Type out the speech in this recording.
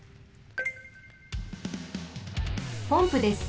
ポンプです。